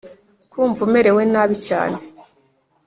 Kumva umerewe nabi cyane